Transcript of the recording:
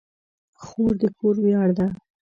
خور د کور ویاړ ده.